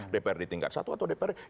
dpr di tingkat satu atau dpr di tingkat dua